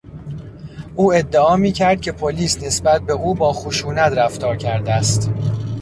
او ادعا میکرد که پلیس نسبت به او با خشونت رفتار کرده است.